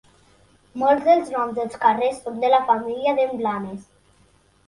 Molts dels noms dels carrers són de la família d'en Blanes.